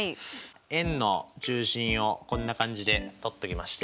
円の中心をこんな感じで取ってみまして。